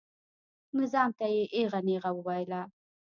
نظام ته یې ایغه نیغه وویله.